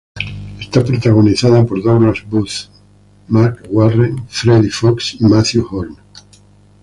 Es protagonizada por Douglas Booth, Marc Warren, Freddie Fox y Mathew Horne.